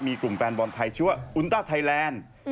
มีกลุ่มแฟนบอลไทยชื่อว่าอุณต้าไทยแลนด์